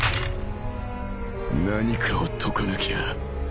何かを解かなきゃ